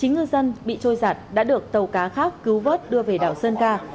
chín ngư dân bị trôi giặt đã được tàu cá khác cứu vớt đưa về đảo sơn ca